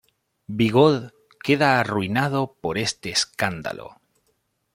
Bigod queda arruinado por este escándalo.